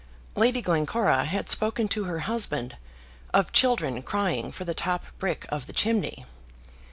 Lady Glencora had spoken to her husband of children crying for the top brick of the chimney.